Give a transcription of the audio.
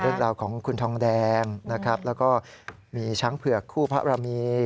เรื่องราวของคุณทองแดงนะครับแล้วก็มีช้างเผือกคู่พระบรมี